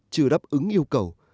chưa đáp ứng yêu cầu